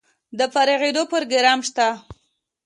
د فارغیدو پروګرام شته؟